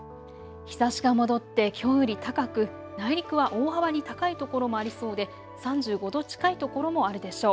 日ざしが戻ってきょうより高く内陸は大幅に高い所もありそうで３５度近いところもあるでしょう。